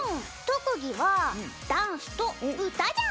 特技はダンスと歌じゃ！